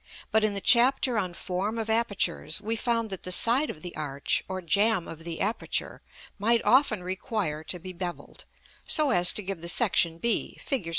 But in the chapter on Form of Apertures, we found that the side of the arch, or jamb of the aperture, might often require to be bevelled, so as to give the section b, Fig.